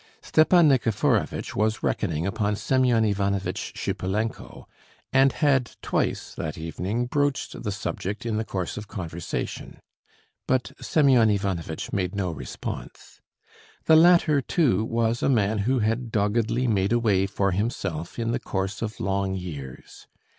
Stepan Nikiforovitch was reckoning upon Semyon Ivanovitch Shipulenko, and had twice that evening broached the subject in the course of conversation. But Semyon Ivanovitch made no response. The latter, too, was a man who had doggedly made a way for himself in the course of long years.